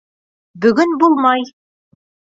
Бөгөн булмай.